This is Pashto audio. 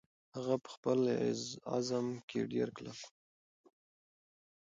هغه په خپل عزم کې ډېره کلکه وه.